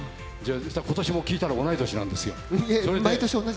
今年は聞いたら同い年なんです。